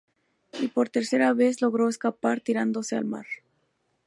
Y por tercera vez logró escapar tirándose al mar.